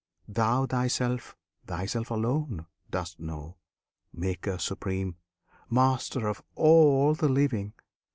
Thou Thyself Thyself alone dost know, Maker Supreme! Master of all the living!